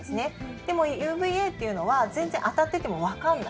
でもＵＶＡっていうのは全然当たっててもわかんない。